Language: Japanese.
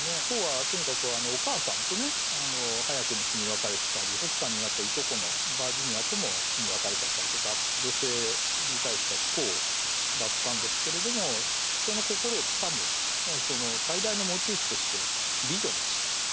ポーはとにかくお母さんとね早くに死に別れてたり奥さんになったいとこのバージニアとも死に別れちゃったりとか女性に対しては不幸だったんですけれども人の心をつかむその最大のモチーフとして美女の死と。